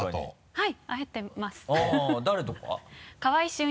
はい。